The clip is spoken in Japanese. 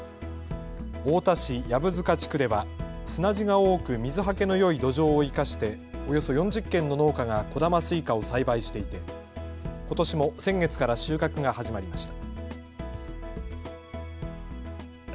太田市薮塚地区では砂地が多く水はけのよい土壌を生かしておよそ４０軒の農家が小玉すいかを栽培していてことしも先月から収穫が始まりました。